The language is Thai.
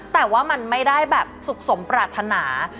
แต่ว่ามันไม่ได้แบบสุขสมปรารถนา